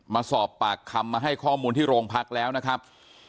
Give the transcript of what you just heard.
มาสอบปากคำมาให้ข้อมูลที่โรงพักแล้วนะครับ